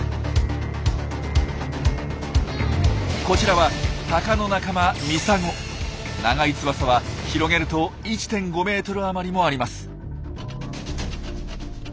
こちらはタカの仲間長い翼は広げると１．５ｍ余りもあります。